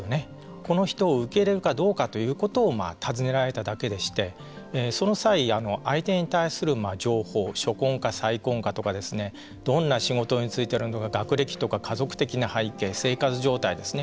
この人を受け入れるかどうかということを尋ねられただけでしてその際、相手に対する情報初婚か再婚かとかどんな仕事に就いているのか学歴とか家族的な背景生活状態ですね。